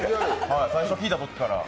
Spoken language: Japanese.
最初聞いたときから。